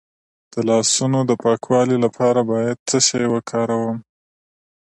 د لاسونو د پاکوالي لپاره باید څه شی وکاروم؟